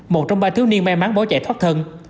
một trong ba thiếu niên may mắn bỏ chạy thoát thân